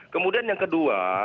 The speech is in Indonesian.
kemudian yang kedua